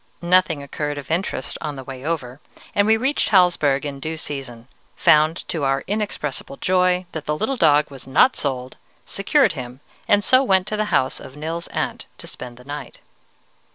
"Nothing occurred of interest on the way over, and we reached Hallsberg in due season, found to our inexpressible joy that the little dog was not sold, secured him, and so went to the house of Nils's aunt to spend the night.